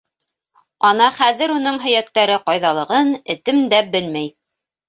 Ана хәҙер уның һөйәктәре ҡайҙалығын этем дә белмәй.